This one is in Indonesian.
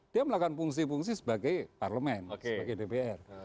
dia melakukan fungsi fungsi sebagai parlemen sebagai dpr